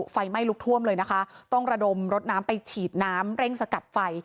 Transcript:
ไฟไหม้ลุกท่วมเลยนะคะต้องระดมรถน้ำไปฉีดน้ำเร่งสกัดไฟ